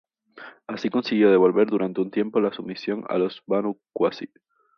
Así consiguió devolver durante un tiempo a la sumisión a los Banu Qasi.